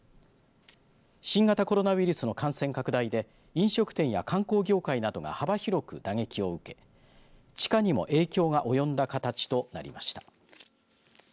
新型コロナウイルスの感染拡大で飲食店や観光業界などが幅広く打撃を受け地価にも影響がおよんだ形となりました。